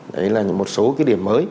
đấy là một số điểm mới